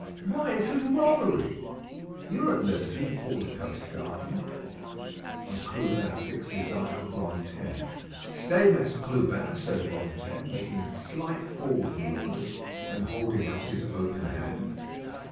"Why, this is robbery." "You are at liberty to call the coast guardman." And Clubin fixed his eye on Rantaine. "Stay, Mess Clubin," said Rantaine, making a slight forward movement, and holding out his open hand.